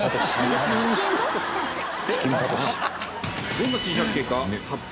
どんな珍百景か発表